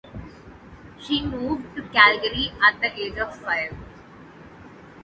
She moved to Calgary at the age of five.